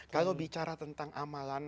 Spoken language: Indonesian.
kalau bicara tentang amalan